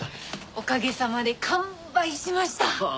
おかげさまで完売しました。